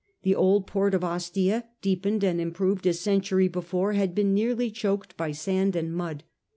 The old port of Ostia , deepened and improved a century before, had been nearly choked by sand and mud.